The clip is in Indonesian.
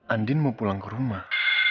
andin mau pulang ke rumah